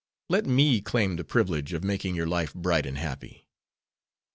Let me claim the privilege of making your life bright and happy.